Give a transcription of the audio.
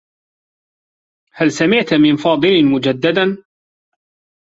هل سمعت من فاضل مجدّدا؟